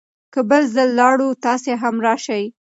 که بل ځل لاړو، تاسې هم راشئ.